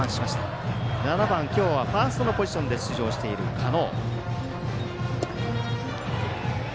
７番今日はファーストのポジションで出場している狩野。